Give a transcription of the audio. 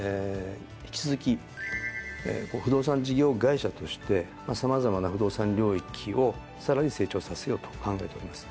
引き続き不動産事業会社として様々な不動産領域をさらに成長させようと考えております。